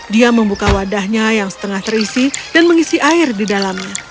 dia membuka wadahnya yang setengah terisi dan mengisi air di dalamnya